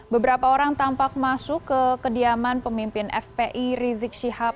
beberapa orang tampak masuk ke kediaman pemimpin fpi rizik syihab